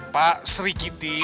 pak sri kiti